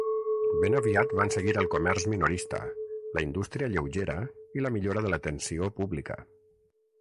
Ben aviat van seguir el comerç minorista, la indústria lleugera i la millora de l'atenció pública.